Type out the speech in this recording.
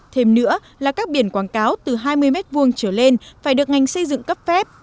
thêm nữa là các biển quảng cáo từ hai mươi m hai trở lên phải được ngành xây dựng cấp phép